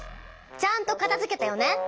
ちゃんとかたづけてよね。